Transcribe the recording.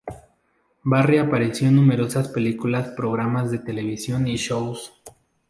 Barry apareció en numerosas películas, programas de televisión y shows.